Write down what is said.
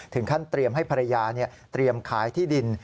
เตรียมให้ภรรยาเตรียมขายที่ดิน